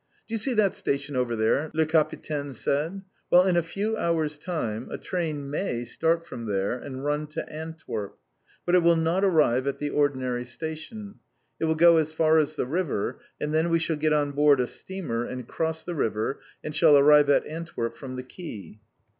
"Do you see that station over there?" Le Capitaine said. "Well, in a few hours' time, a train may start from there, and run to Antwerp But it will not arrive at the ordinary station. It will go as far as the river, and then we shall get on board a steamer, and cross the river, and shall arrive at Antwerp from the quay."